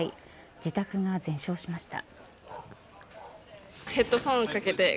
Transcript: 自宅が全焼しました。